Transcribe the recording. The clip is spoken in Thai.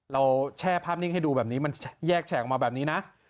แช่ภาพนิ่งให้ดูแบบนี้มันแยกแฉกออกมาแบบนี้นะ